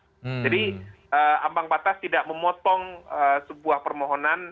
jadi ambang batas tidak memotong sebuah permohonan